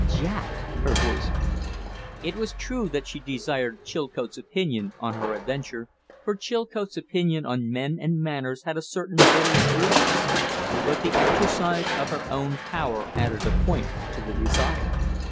"Jack!" Her voice dropped. It was true that she desired Chilcote's opinion on her adventure, for Chilcote's opinion on men and manners had a certain bitter shrewdness; but the exercise of her own power added a point to the desire.